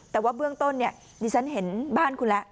แต่ว่าเบื้องต้นเนี่ยดิฉันเห็นบ้านคุณแล้ว